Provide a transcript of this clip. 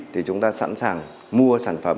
thì chúng ta sẵn sàng mua sản phẩm